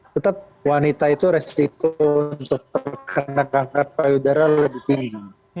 tetap wanita itu resiko untuk terkena kanker payudara lebih tinggi